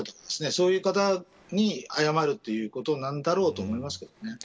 そういう方に謝るということなんだろうと思いますけどね。